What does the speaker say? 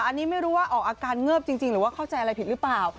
อันนี้ไม่รู้ว่าออกอาการเงิบจริงหรือว่าเข้าใจอะไรผิดหรือเปล่า